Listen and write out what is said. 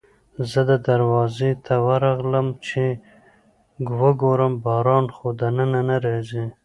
زه دروازې ته ورغلم چې وګورم باران خو دننه نه راځي.